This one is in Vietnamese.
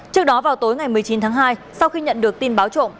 trước đó vào tối ngày một mươi chín tháng hai sau khi nhận được tin báo trộm